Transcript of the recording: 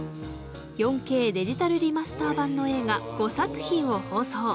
４Ｋデジタルリマスター版の映画５作品を放送。